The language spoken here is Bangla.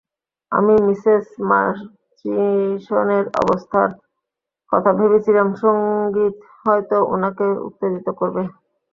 আমি মিসেস মার্চিসনের অবস্থার কথা ভেবেছিলাম, সংগীত হয়তো উনাকে উত্তেজিত করবে।